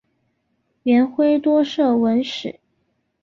元晖多涉文史。